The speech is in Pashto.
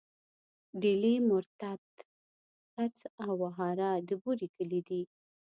ډيلی، مرتت، کڅ او وهاره د بوري کلي دي.